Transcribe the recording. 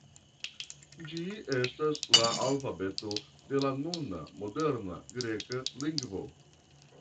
Ĝi estas la alfabeto de la nuna moderna greka lingvo.